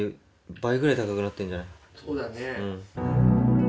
そうだね。